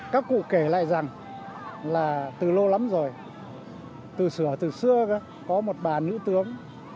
các cụ kể lại rằng là từ lâu lắm rồi từ sửa từ xưa có một bà nữ tướng